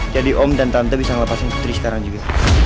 jadi om dan tante bisa ngelepasin putri sekarang juga